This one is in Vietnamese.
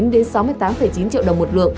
đến sáu mươi tám chín triệu đồng một lượng